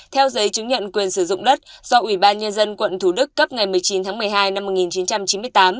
theo giấy chứng nhận quyền sử dụng đất do ủy ban nhân dân quận thủ đức cấp ngày một mươi chín tháng một mươi hai năm một nghìn chín trăm chín mươi tám